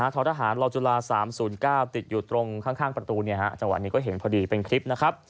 ท้อทหารรอจุฬา๓๐๙ติดอยู่ตรงข้างประตูจังหวะนี้ก็เห็นพอดีเป็นคลิปนะครับ